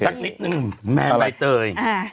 สักนิดนึงแมนใบเตย